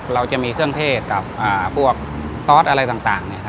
เราจะมีเครื่องเทศกับพวกซอสอะไรต่าง